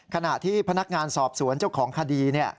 ขณะที่พนักงานสอบสวนเจ้าของคดี